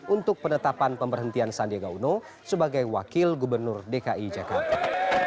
untuk penetapan pemberhentian sandiaga uno sebagai wakil gubernur dki jakarta